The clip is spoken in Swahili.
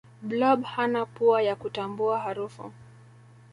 blob hana pua ya kutambua harufu